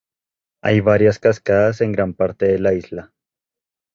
Hay varias cascadas en gran parte de la isla.